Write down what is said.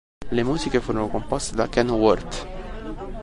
Le musiche furono composte da Ken Worth.